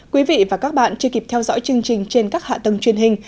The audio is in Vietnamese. quý vị và các bạn chưa kịp theo dõi chương trình trên các hạ tầng truyền hình